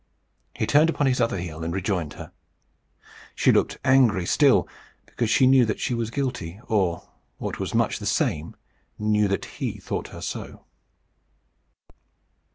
He turned upon his other heel, and rejoined her. She looked angry still, because she knew that she was guilty, or, what was much the same, knew that he thought so.